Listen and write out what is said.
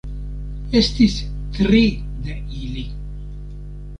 Estis tri de ili.